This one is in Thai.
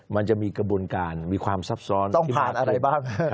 มันจะมีกระบวนการมีความซับซ้อนต้องพิบานอะไรบ้าง